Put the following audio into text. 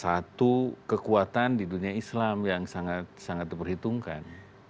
satu kekuatan di dunia islam yang sangat sangat diperhitungkan